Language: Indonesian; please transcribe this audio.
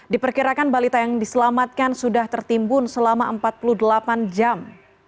diperkirakan balita yang diselamatkan sudah tertimbun selama empat puluh delapan jam